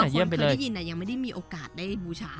คนเคยได้ยินยังไม่ได้มีโอกาสได้บูชา